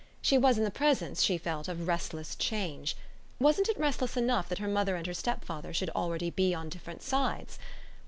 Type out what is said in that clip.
She was in the presence, she felt, of restless change: wasn't it restless enough that her mother and her stepfather should already be on different sides?